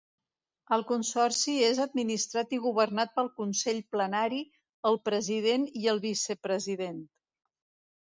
El Consorci és administrat i governat pel Consell Plenari, el President i el Vicepresident.